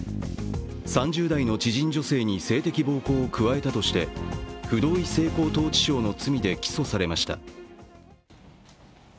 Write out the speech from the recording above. ３０代の知人女性に性的暴行を加えたとして不同意性交等致傷の罪で起訴されました。